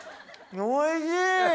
おいしい！